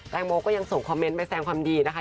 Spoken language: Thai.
โมก็ยังส่งคอมเมนต์ไปแสงความดีนะคะ